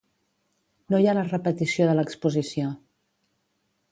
No hi ha la repetició de l'exposició.